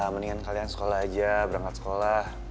mendingan kalian sekolah aja berangkat sekolah